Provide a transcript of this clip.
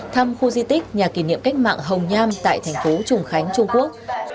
thăm khu di tích nhà kỷ niệm cách mạng hồng nham tại tp trùng khánh trung quốc